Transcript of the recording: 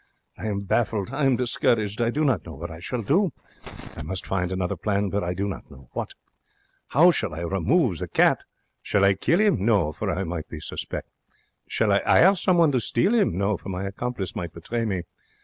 I am baffled. I am discouraged. I do not know what I shall do. I must find another plan, but I do not know what. How shall I remove the cat? Shall I kill 'im? No, for I might be suspect. Shall I 'ire someone to steal 'im? No, for my accomplice might betray me.